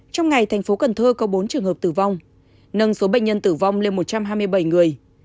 trong ngày thành phố cần thơ có bốn trường hợp tử vong nâng số bệnh nhân tử vong lên một trăm hai mươi bảy người